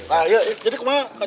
gagal siap gue ceritain aku abah